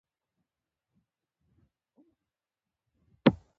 هغه بوټی چې ډېر حاصلات یې ورکول.